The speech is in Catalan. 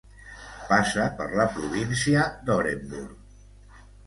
Passa per la província d'Orenburg.